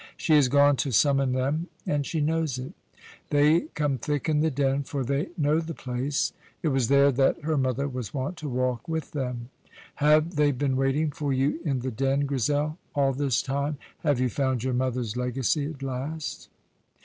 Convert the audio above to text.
She has gone to summon them, and she knows it. They come thick in the Den, for they know the place. It was there that her mother was wont to walk with them. Have they been waiting for you in the Den, Grizel, all this time? Have you found your mother's legacy at last?